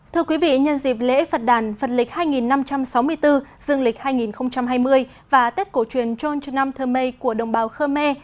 thưa quý vị nhân dịp lễ phật đàn phật lịch hai năm trăm sáu mươi bốn dương lịch hai hai mươi và tết cổ truyền trôn trường năm thơ mê của đồng bào khơ mê